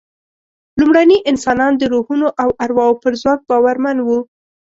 لومړني انسانان د روحونو او ارواوو پر ځواک باورمن وو.